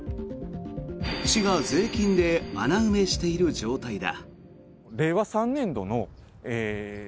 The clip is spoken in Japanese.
市が税金で穴埋めしている状態だ。